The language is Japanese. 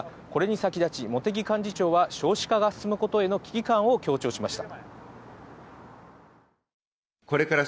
これに先立ち、茂木幹事長は少子化が進むことへの危機感を強調しました。